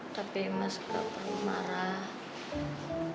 tapi mas gak perlu marah